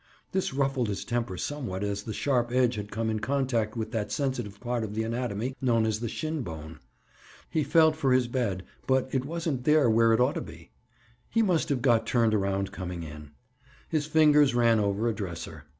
This ruffled his temper somewhat as the sharp edge had come in contact with that sensitive part of the anatomy, known as the shin bone. He felt for his bed, but it wasn't there where it ought to be. He must have got turned around coming in. His fingers ran over a dresser.